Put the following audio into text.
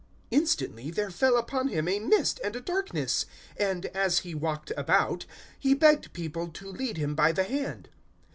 Instantly there fell upon him a mist and a darkness, and, as he walked about, he begged people to lead him by the hand.